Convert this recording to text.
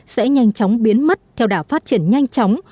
sẽ nhanh chóng biến mất theo đảo phát triển nhanh chóng